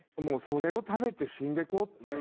それを食べて死んでいこうって。